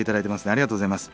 ありがとうございます。